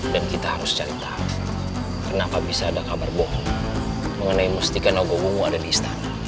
dan kita harus cari tahu kenapa bisa ada kabar bohong mengenai mustikan ogowumu ada di istana